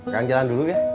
kang jalan dulu ya